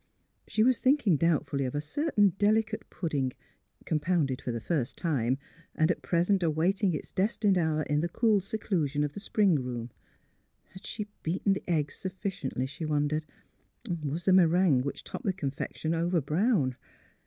She was thinking doubtfully of a certain delicate pudding, compounded for the first time, and at 163 164 THE HEART OF PHILURA present awaiting its destined hour in the cool se clusion of the spring room. Had she beaten the eggs sufficiently, she wondered; and was the meringue which topped the confection overbrown?